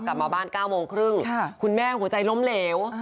กลับมาบ้าน๙โมงครึ่งคุณแม่หัวใจล้มเหลว